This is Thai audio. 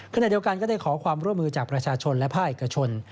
ขณะเดียวกันก็ได้ขอความร่วมมือจากประชาชนและภาคเอกชน